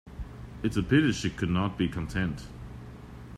It’s a pity she could not be content.